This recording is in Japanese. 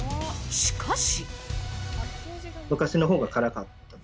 しかし。